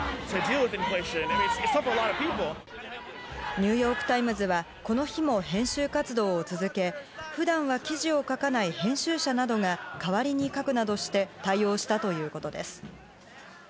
ニューヨーク・タイムズはこの日も編集活動を続け、普段は記事を書かない編集者などが代わりに書くなどして対応したということです。